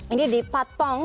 ini di patpong